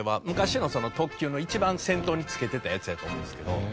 昔の特急の一番先頭に付けてたやつやと思うんですけど。